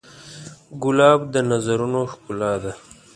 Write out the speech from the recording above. ګلاب د نظرونو ښکلا ده.